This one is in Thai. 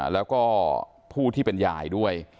แล้วก็ผู้ที่เป็นยายด้วย